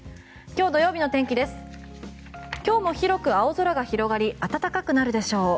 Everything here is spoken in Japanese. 今日も広く青空が広がり暖かくなるでしょう。